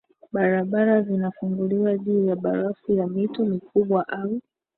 barabara zinafunguliwa juu ya barafu ya mito mikubwa au